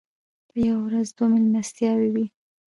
په یوه ورځ دوه مېلمستیاوې وې.